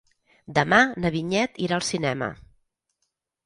Demà na Vinyet irà al cinema.